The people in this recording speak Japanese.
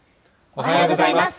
おはようございます。